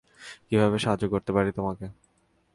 কীভাবে সাহায্য করতে পারি তোমাকে?